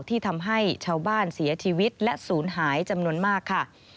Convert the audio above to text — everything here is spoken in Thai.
ที่ทำให้ชาวบ้านเสียชีวิตและศูนย์หายจำนวนมากค่ะ